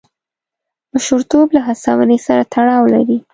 مشرتوب له هڅونې سره تړاو لري.